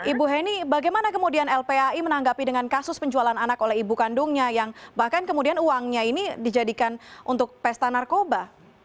ibu heni bagaimana kemudian lpai menanggapi dengan kasus penjualan anak oleh ibu kandungnya yang bahkan kemudian uangnya ini dijadikan untuk pesta narkoba